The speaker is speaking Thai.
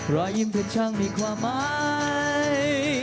รอยยิ้มเพื่อช่างมีความหมาย